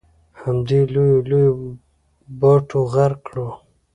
همدې لویو لویو باټو غرق کړو.